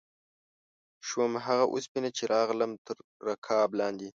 شوم هغه اوسپنه چې راغلم تر رکاب لاندې